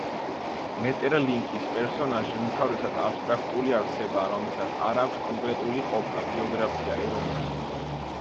მეტერლინკის პერსონაჟი უმთავრესად აბსტრაქტული არსებაა, რომელსაც არ აქვს კონკრეტული ყოფა, ბიოგრაფია, ეროვნება.